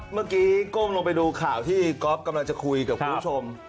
เมื่อกี้ก้มลงไปดูข่าวที่ก๊อฟกำลังจะคุยกับคุณผู้ชม